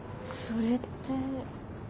それって。